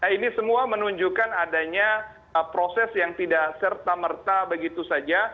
ini semua menunjukkan adanya proses yang tidak serta merta begitu saja